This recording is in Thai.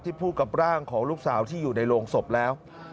พูดกับร่างของลูกสาวที่อยู่ในโรงศพแล้ว